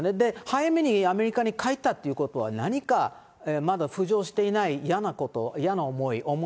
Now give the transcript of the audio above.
早めにアメリカに帰ったっていうことは、何かまだ浮上していないやなこと、やな